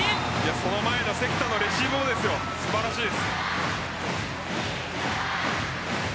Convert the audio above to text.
その前の関田のレシーブも素晴らしいです。